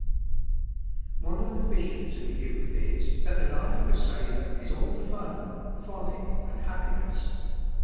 One of the visions of youth is, that the life of a sailor is all fun, frolic, and happiness.